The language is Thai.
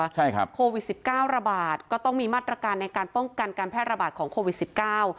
ใช่ครับโควิดสิบเก้าระบาดก็ต้องมีมาตรการในการป้องกันการแพร่ระบาดของโควิดสิบเก้า